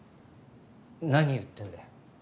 何言ってんだよ。